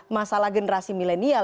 masalah generasi milenial